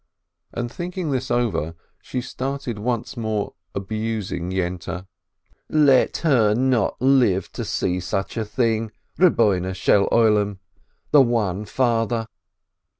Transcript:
And thinking this over, she started once more abusing Yente. "Let her not live to see such a thing, Lord of the World, the One Father